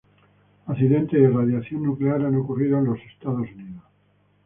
Accidentes de irradiación nuclear han ocurrido en Estados Unidos.